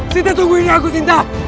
sinta tunggu ini aku sinta